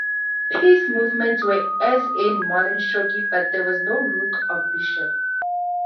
Piece movements were as in modern shogi, but there was no rook or bishop.